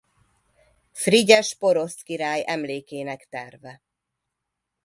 Frigyes porosz király emlékének terve.